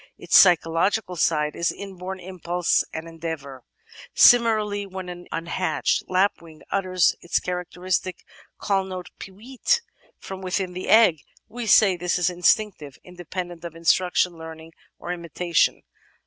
Its psychological side is inborn impulse and endeavour. Similarly, when an imhatched lapwing utters its characteristic call note "peewit" from within the egg, we say this is instinctive — ^independent of instruction, learning, or imitation.